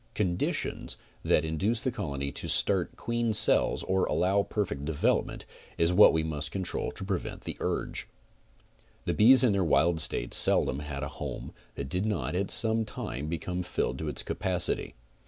CONDITIONS that induce the colony to start queen cells, or allow perfect development, is what we must control to prevent the urge. The bees in their wild state seldom had a home that did not at some time become filled to its capacity.